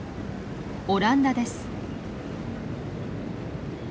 オランダです。